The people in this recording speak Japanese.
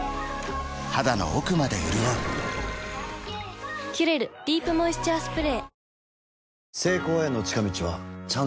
肌の奥まで潤う「キュレルディープモイスチャースプレー」